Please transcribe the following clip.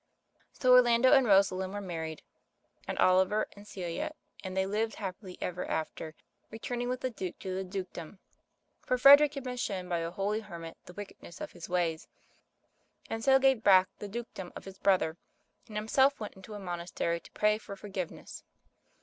So Orlando and Rosalind were married, and Oliver and Celia and they lived happy ever after, returning wit!i the Duke to the dukedom. For Frederick had been shown by a holy hermit the wick edness of his ways, and so gave back the dukedom of his brother and himself went into a monastery to pray for forgiveness.